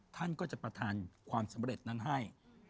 ท่านก็จะประทานความสำเร็จนั้นให้